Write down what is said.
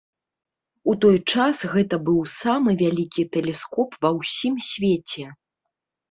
У той час гэта быў самы вялікі тэлескоп ва ўсім свеце.